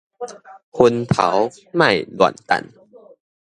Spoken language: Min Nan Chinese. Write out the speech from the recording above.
薰頭莫亂擲